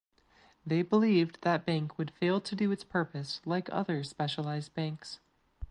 They believed that bank would fail to do its purpose like other specialised banks.